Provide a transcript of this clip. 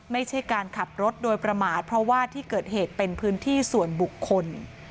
ไม่ใช่การขับรถโดยประมาทเพราะว่าที่เกิดเหตุเป็นพื้นที่ส่วนบุคคล